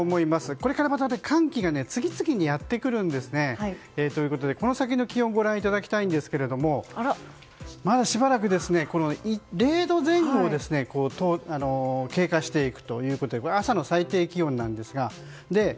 これからまた寒気が次々にやってくるんですね。ということでこの先の気温をご覧いただきたいんですがまだしばらく０度前後を経過していくということで朝の最低気温ですが。